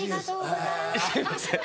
すいません。